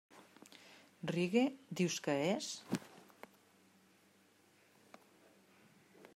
Reggae, dius que és?